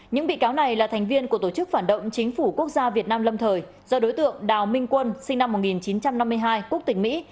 những bị cáo này là thành viên của tổ chức phản động chính phủ quốc gia việt nam lâm thời do đối tượng đào minh quân sinh năm một nghìn chín trăm năm mươi hai quốc tịch mỹ